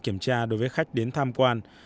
kiểm tra đối với khách đến tham quan